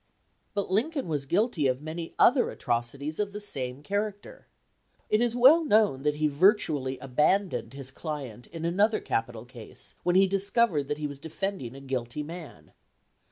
But Lincoln was guilty of many other "atroci ties" of the same character. It is well known that he virtually abandoned his client in another capital case when he discovered that he was de fending a guilty man.